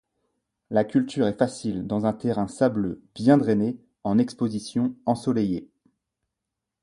La culture est facile dans un terrain sableux bien drainé en exposition ensoleillée.